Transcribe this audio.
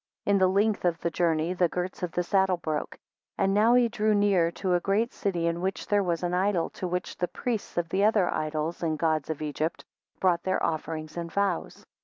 5 In the length of the journey the girts of the saddle broke. 6 And now he drew near to a great city, in which there was an idol, to which the priests of the other idols and gods of Egypt brought their offerings and vows.